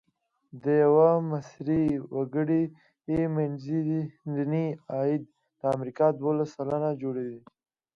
د یوه مصري وګړي منځنی عاید د امریکا دوولس سلنه جوړوي.